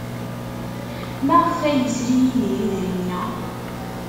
Maɣef ay yesri Yidir idrimen-a?